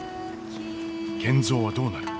賢三はどうなる？